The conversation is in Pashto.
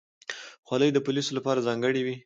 خولۍ د پولیسو لپاره ځانګړې وي.